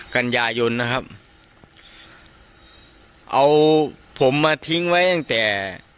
กันยายนนะครับเอาผมมาทิ้งไว้ตั้งแต่